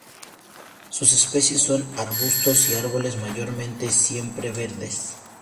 Sus especies son arbustos y árboles, mayormente siempreverdes.